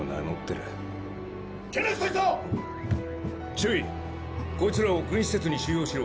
中尉こいつらを軍施設に収容しろ。